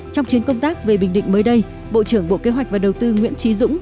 trong chuyến công tác về bình định mới đây bộ trưởng bộ kế hoạch và đầu tư nguyễn trí dũng